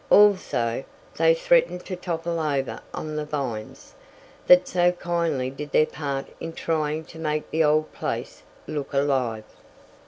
Also, they threatened to topple over on the vines, that so kindly did their part in trying to make the old place look alive.